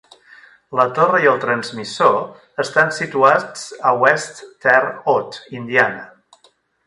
La torre i el transmissor estan situats a West Terre Haute, Indiana.